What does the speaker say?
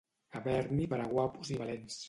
Haver-n'hi per a guapos i valents.